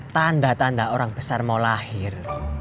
tanda tanda orang besar mau lahir